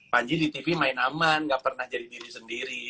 panji di tv main aman gak pernah jadi diri sendiri